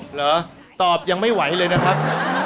เหรอตอบยังไม่ไหวเลยนะครับ